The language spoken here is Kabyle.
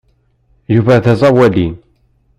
Yuba d aẓawali.